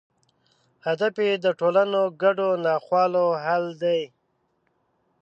هدف یې د ټولنو ګډو ناخوالو حل دی.